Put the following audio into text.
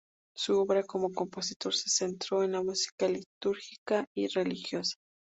Su obra como compositor se centró en la música litúrgica y religiosa.